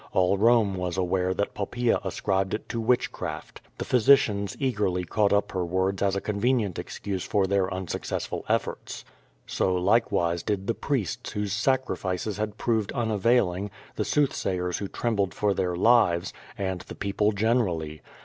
All Home was aware that Poppaea ascribed it to witchcraft. The physicians eagerly caught up her words as a convenient excuse for their unsuccessful efforts. So like wise did the priests whose sacrifices had proved unavailing, the soothsayers who trembled for their lives, and the people generally.